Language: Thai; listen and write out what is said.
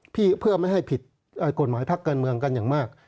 เพื่อไม่ให้ผิดกฎหมายพักการเมืองกันอย่างมาก